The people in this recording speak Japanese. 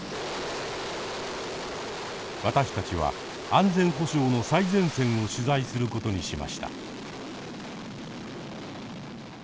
私たちは安全保障の最前線を取材することにしました。